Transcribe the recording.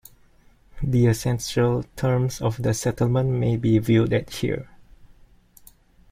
The essential terms of the settlement may be viewed at here.